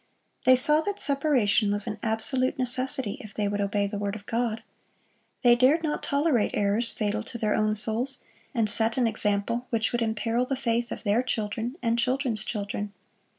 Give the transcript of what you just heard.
They saw that separation was an absolute necessity if they would obey the word of God. They dared not tolerate errors fatal to their own souls, and set an example which would imperil the faith of their children and children's children.